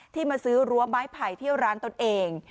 มาซื้อรั้วไม้ไผ่เที่ยวร้านตนเอง